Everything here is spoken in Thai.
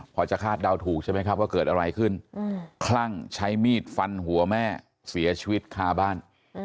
พอจะคาดเดาถูกใช่ไหมครับว่าเกิดอะไรขึ้นคลั่งใช้มีดฟันหัวแม่เสียชีวิตคาบ้าน